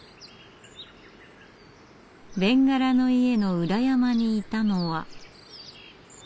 べんがらの家の裏山にいたのは。